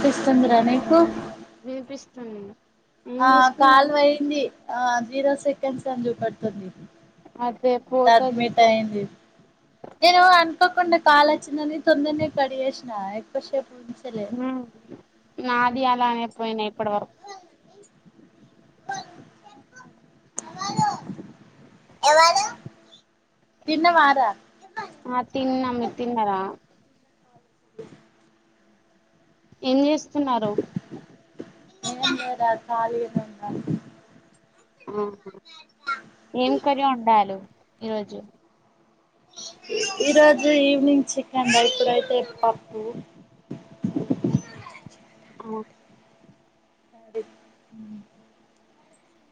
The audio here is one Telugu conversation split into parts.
పిస్తుందిరా నీకు వినిపిస్తుంది ఏం ఆ కాల్ చేస్తున్నారు పోయింది ఆ జీరో సెకండ్ అని జూపెడుతుంది అదే పోతది టడ్మిట్ అయింది నేను అనుకోకుండా కాలచ్చిందని తొందరనే కడి చేేసినా ఎక్కుశేపు ఊ నాది అలానే పోయినయ్ ఇప్పుడు వరకు [inaudible] తిన్నవారా ఆ తిన్న మీర్ తిన్నర [inaudible] ఏం చేస్తున్నారు ఏం లేదురా ఖాళీగానే ఉన్న ఆహా ఏం కర్రీ వండాలు ఈ రోజు ఈరోజు ఈవినింగ్ చికెన్ ఇప్పుడైతే పప్పు [inaudible] అఓ సరే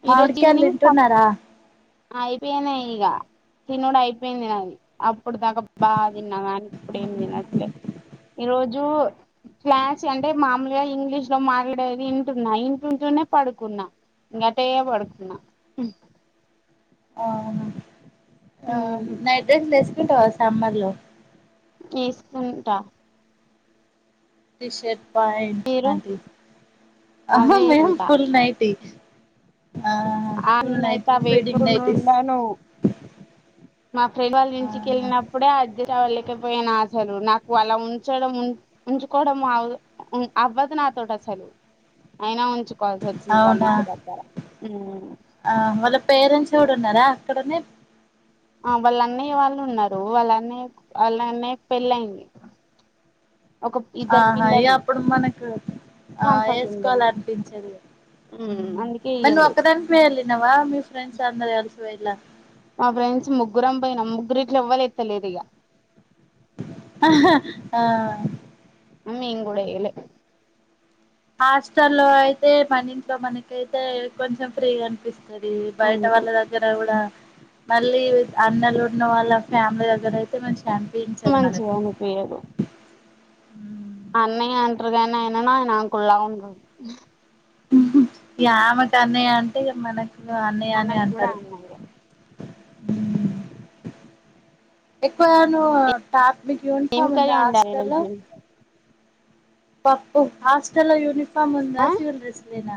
మామిడికాలు తింటున్నారా అయిపోయింది ఈగ తినుడు అయిపోయింది ఇప్పుడుదాకా బా తిన్నావా ఇప్పుడు ఏం తినట్లే ఈ రోజు క్లాస్ అంటే మామూలుగా ఇంగ్లీష్ లో మాట్లాడేది వింటున్నా ఇంటుంటె పడుకున్నా ఇంకాటే పడుకున్నా అ మ్ నైట్ డ్రెస్లు వేసుకుంటావా సమ్మర్ లో వేసుకుంటా టీషర్ట్ మీరు ప్యాంట్లాంటి ఆహా అవే మేము ఉంటా ఫుల్ నైటి ఆ నేనైతే అవి ఫీడింగ్ నైటీస్ వేసుకునుండను మా ఫ్రెండ్ వాళ్ళ ఆహా ఇంటికెళ్ళినప్పుడే అ వలేకపోయినా అసలు నాకు అలా ఉంచడం ఉంచుకోవడం అవ్వదు నాకు నాతోటి అసలు అయినా ఉంచుకోవాల్సి వచ్చింది వాళ్ళ అవునా ఇంటి దగ్గర ఆ వాళ్ల పేరెంట్స్ కూడా ఉన్నారా అక్కడనే ఆ వాళ్ల అన్నయ్య వాళ్లు ఉన్నారు వాళ్ల అన్నయ్య కు వాళ్ల అన్నయ్య కు పెళ్ళయింది ఒక ఇద్దరు ఆహా ఇ పిల్లలు అప్పుడు మనకు ఆ కంఫర్ట్ వేసుకోవాలి ఉండదు అనిపించేది మ్ అందుకే మరి నువ్వు ఇయ్యలేదు ఒక్కదానివే ఎల్లినవా మీ ఫ్రెండ్స్ అందరు కలిసి పోయిలా మా ఫ్రెండ్స్ ముగ్గురం పోయినాం ముగ్గురు ఇట్లా ఎవ్వల్ ఏత్తలేదు ఇగ ఆ ఆ మేము కూడ వెయ్యలే హాస్టల్లో అయితే మన ఇంట్లో మనకైతే కొంచెం ఫ్రీగా అనిపిస్తుంది ఆది బయట అందుకే వాళ్ల దగ్గర కూడ మళ్ళీ అన్నలు ఉన్న వాళ్ళ ఫ్యామిలీ దగ్గర అయితే మంచి మంచిగా అనిపియదు మ్మ్ అన్నయ్య అంటరు గాని ఆయనను ఆయన అంకుల్ లా ఉంటడు ఇగ ఆమెకు అన్నయ్య అంటే ఇగ మనకు అన్నయ్య నే మనకు కూడా అంటారు అన్నయ్య మ్ ఎక్కువ నువ్వు టాప్ మీకు ఏం యూనిఫార్మ్ ఉంద కర్రీ వండారు హాస్టల్లో ఈరోజు పప్పు హాస్టల్లో యూనిఫామ్ ఉందా ఆ సివిల్ డ్రెస్ లేనా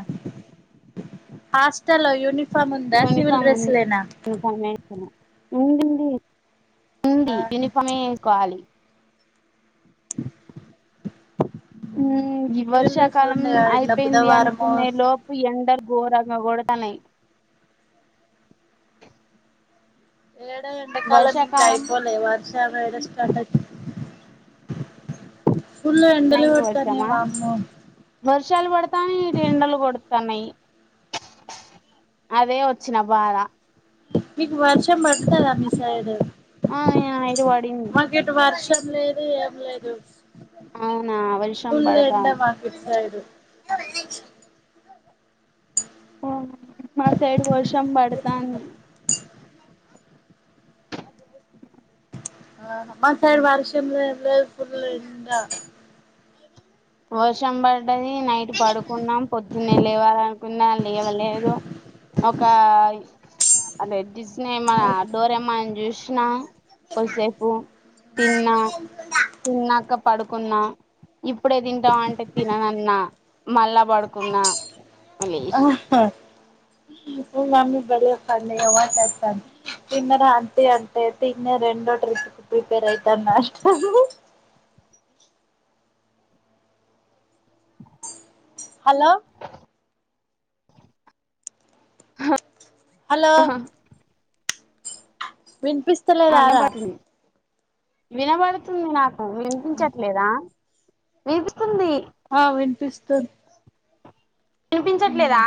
హాస్టల్లో యూనిఫామ్ ఉందా సివిల్ యూనిఫార్మ్ డ్రెస్ ఉంది లేనా యూనిఫార్మే వేసుకున్న ఉందింది ఉంది ఆహా యూనిఫార్మ్ వేసుకోవాలి ఉమ్ ఈ సివిల్ డ్రెస్లు వర్షాకాలం ఉండే కదా ఇట్లా అయిపోయింది బుధవారము అనుకునే లోపు ఎండలు ఘోరంగ కొడతన్నాయి ఏడ ఎండకాలం ఇంకా వర్షాకాలం అయిపోలే వర్ష వర్షం ఎడ స్టార్ట్ అయితుంది ఫుల్ ఎండలే నైటు వస్తున్నాయి వర్షమా వామ్మో వర్షాలు పడుతాన్నాయి ఇటు ఎండలు కొడుతాన్నాయి అదే వచ్చిన బాధ మీకు వర్షం బడుతదా మీ సైడూ ఆ యా ఈడ పడింది వర్షం లేదు ఏం లేదు అవునా వర్షం ఫుల్లు ఎండ పడతాంది మాకిటు సైడు ఓ మా సైడు వర్షం బడతాంది మ ఆ మా సైడ్ వర్షం లేదు ఏం లేదు ఫుల్ ఎండ వర్షం బడ్ పడ్డది నైట్ పడుకున్నాం పొద్దున్నే లేవాలనుకున్నా లేవలేదు ఒకా అదే డిస్ నే మనా డోరేమాన్ జూషినా కొస్సేపు తిన్నా తిన్నాక పడుకున్నా ఇప్ అప్పుడే దింటా అంటే తిననన్నా మళ్లా పడుకున్నా లేస్ మీ మమ్మీ బలే ఫన్నీ గా మాట్లాడుతాంది తిన్నార ఆంటీ అంటే తిన్యా రెండో ట్రిప్ కి ప్రిపేర్ అయితన్నా అంటారు హలో హలో ఆ విన్పిస్తలేదా రా వినబడుతుంది వినబడుతుంది నాకు వినిపించట్లేదా విని ఆ వినిపిస్తుంద్ వినిపించట్లేదా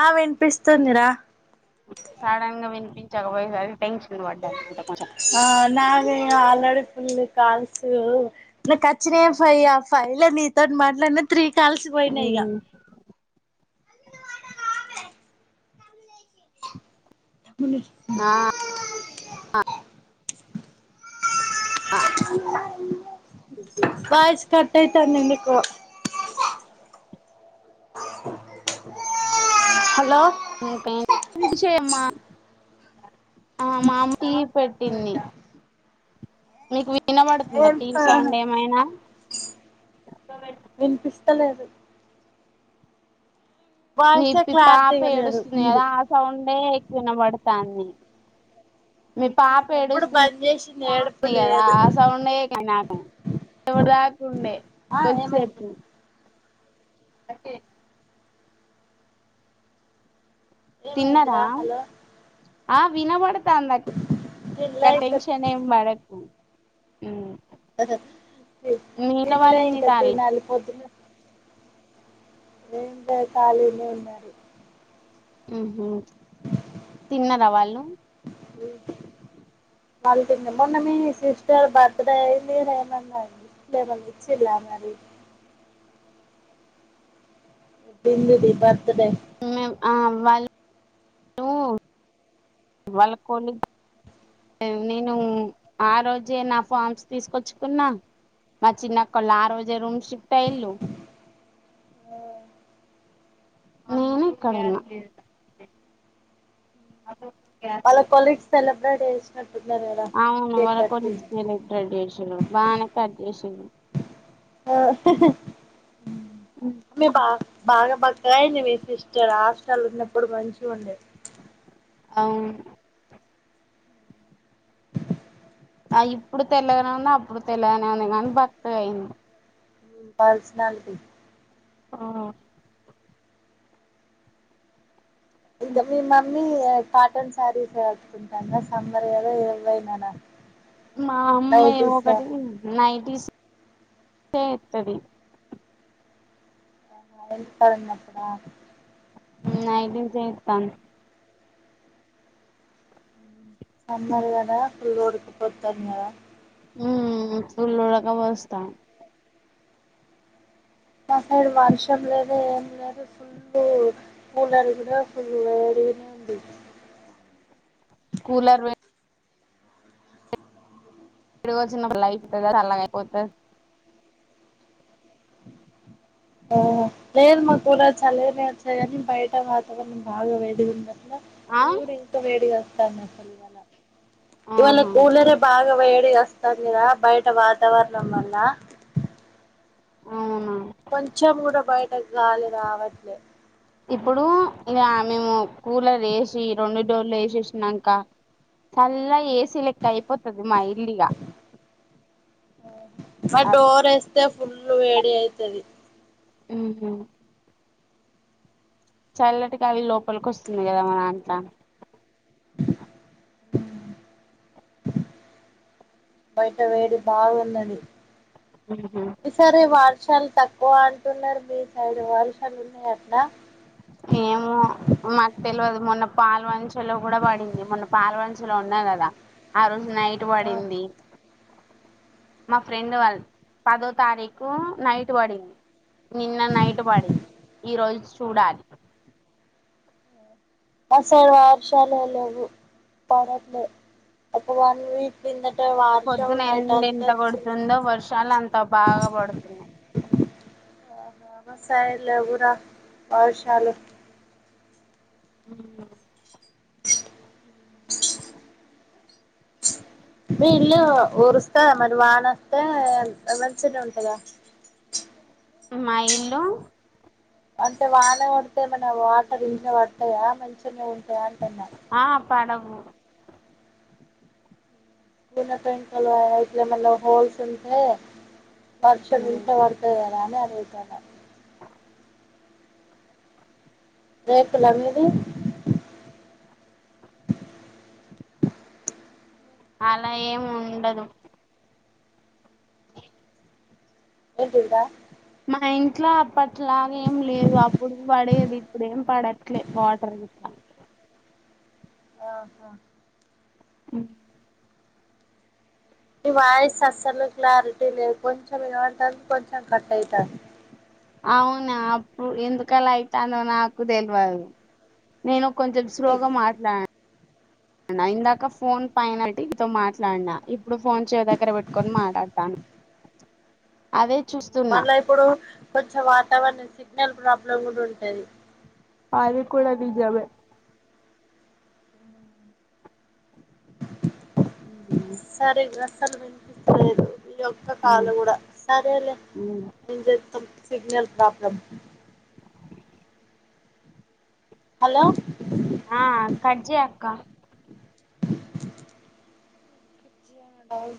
ఆ వినిపిస్తుందిరా సడన్ గా వినిపించకపోయేసరికి టెన్షన్ పడ్డా కొంచెం ఏ ఆల్రెడీ ఫుల్లు కాల్సు నాకు వచ్చినయే ఫైవ్ ఆ ఫైవ్ లో నీతోటి మాట్లా నిన్న త్రీ కాల్సు పోయినాయి ఇగ ఏమన్నా ఇచ్చిలా ఆ కఠ వాయిస్ కట్టైతాంది నీకు హలో ఇంకా ఇడిషేయమ్మా ఆ మామయి పెట్టింది మీకు వినబడుతుందా టీవీ సౌండ్ ఏమైనా వినిపిస్తలేదు మీ వాయిసే పి పాప క్లారిటీగా లేదు ఏడుస్తుంది కదా మీది ఆ సౌండే వినబడతాంది మీ పాప ఇప్పుడు బంద్ చేసింది ఏడుపు ఎడుస్తుంది గదా లేదు ఆ సౌండే [inaudible] ఎవడు దాకుండే ఆ ఏమైంది కొస్సేపు దక్కే తిన్నరా ఏమైందిరా హలో ఆ వినబతాంది అక్ తిన్లే గా ఇంకా టెన్షన్ ఏం బడకు ఉ తి వాళ్ళు తిండ్లే ఏం ఇంకా చేత్తాళ్ళు తినాలి పొద్దున ఏం లేదు ఖాళీనే ఇంగా ఊహు తిన్నారా వాళ్ళు [inaudible] వాళ్ళు తిన్నా మొన్న మీ సిస్టర్ బర్త్డే అయింది కదా ఏమన్నా అండి ఏమన్నా ఇచ్చిల్లా మరి బిందుది బర్త్ డే. నువ్వు వాళ్ల కొని నేను ఆ రోజే నా ఫార్మ్స్ తీసుకొచ్చుకున్నా. మా చిన్న అక్కోలు ఆ రోజే రూమ్ షిఫ్ట్ అయిళ్లు ఉమ్ నేను ఇక్కడున్నా అదే వాళ్ల కొలీగ్స్ సెలబ్రేట్ చేసి చేసినట్టున్నారు కదా అవును కేక్ వాళ్ల కట్ కొలీగ్స్ సెలబ్రేట్ చేసిరు బానే కట్ చేసిర్రు ఆ మీ బా. బాగా బక్కగైంది మీ సిస్టర్ హాస్టల్ ఉన్నప్పుడు మంచిగ ఉండేది. అవును ఆ ఇప్పుడు తెల్లగానే ఉన్న అప్పుడు తెల్లగానే ఉన్నగానీ బక్కగయింది. పర్సనాలిటీ ఆ ఇంకా మీ మమ్మీ ఏ కాటన్ సారీస్ కట్టుకుంటన్న సమ్మర్ కదా ఏవైననా మా అమ్మె ఒకటి నైటిస్ ఏ ఏత్తది. ఇంటి కాడున్నప్పుడ నైటీస్ చేత్తాంది సమ్మర్ గదా ఫుల్ ఉడుకపోతంది గదా ఉ పుల్లోడక పోస్తాం మ సైడ్ వర్షం లేదు ఏం లేదు ఫుల్ కూలర్ కూడా ఫుల్ వేడి తినండి కూలర్ వె ఎడుకి వచ్చినళ్ళ అయితుంది సల్లగా అయిపోతది ఆ లేర్ మకులర్ చలేచ్చని గని బయట వాతవరణం బాగా వేడిగుందా ఇది ఇంకా వేడిగా వస్తాను అసలు ఇవాళ ఆహా కూలరే బాగా వేడిగా వస్తాందిగా బయట వాతావరణం వల్ల అవునా కొంచెం గూడా బయట గాలి రావట్లే ఇప్పుడు ఇగ మేము కూలర్ ఏసి రెండు డోర్లు ఏసేసినంక చల్ల ఎస్ ఏసీ అయిపోతది మా ఇల్లు ఇగ ఫుల్లు వేడి అయితది ఊహ చల్లటి గాలి లోపలికోస్తుంది గదా మన అంతా [unintelligible] బయట వేడి మాగున్నది. ఉహు ఈ సరి వా వర్షాలు తక్కువ అంటున్నారు మీ సైడ్ వర్షాలు ఉన్నాయి అంటానా? ఏమో మాకు తెల్వదు మొన్న పాల్వంచ లో కూడా పడింది మొన్న పాల్వంచలో ఉన్నా కదా ఆ రోజు నైట్ వడింది మా ఫ్రెండ్ వాళ్ళ పదో తారీకు నైట్ బడింది నిన్న నైట్ పడింది ఈ రోజు చూడాలి. అసలు వర్షాలు లేవ్వు పడట్లే అ వన్ వీక్ కిందట వర్షం పొద్దున నైట్ ఎండ అంతా ఎంత వచ్చింది కొడుతుందో వర్షాలు అంత బాగా పడుతున్నాయి. ఆహా మా సైడ్ లేవు రా వర్షాలు ఉమ్ [inaudible] మీ ఇల్లు ఊరుస్తదా మరి వాన వస్తే మంచి గానే ఉంటదా [inaudible] మా ఇల్లు అంటే వాన కొడితే ఏమన్న వాటర్ ఇంట్ల పడతాయా మంచిగానే ఉంటాయా అంటున్నా ఆ పడవు గూన పెంకలు అవి ఇట్ల ఏమన్నా హోల్స్ ఉంటే వర్షం ఇంట్ల పడతది కదా అని అడుగుతాన. రేకుల మీది [inaudible] అలా ఏం ఉండదు ఏంటింది రా ఆ ఇంట్ల అప్పట్లాగ ఏం లేదు అప్పుడు పడేది ఇప్పుడు ఏం పడట్లేదు వాటర్ గిట్లా ఆహ ఉ మీ వాయిస్ అస్సలు క్లారిటీ లేదు కొంచెం ఇనపడుతంది కొంచెం కట్ అయితాంది. అవున అప్పుడు ఎందుకలా అయితాందో నాకు తెలవదు నేను కొంచెం స్లో సిగ్ గ్రా మాట్లా డిన ఇందాక ఫోన్ పైన పెట్టి నీతో మాట్లాడినా ఇప్పుడు ఫోన్ చెవు దగ్గర పెట్టుకొని మాట్లాడతాన అదే చూస్తున్నా మళ్ళా ఇప్పుడు కొంచెం వాతావరణం సిగ్నల్ ప్రాబ్లం కూడా ఉంటది. అది కూడా నిజమే ఉ సరే అస్సలు వినిపిస్తలేదు ఈ ఒక్క కాల్ కూడా సరేలే మేం చెతాం సిగ్నల్ ప్రాబ్లం హలో క్క డాల్